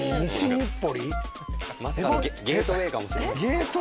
まさかのゲートウェイかもしれない。